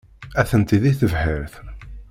Atenti deg tebḥirt.